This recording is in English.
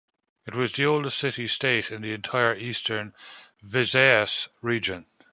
It was the oldest city-state in the entire Eastern Visayas region.